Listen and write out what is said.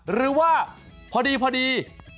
หรือว่าพอดี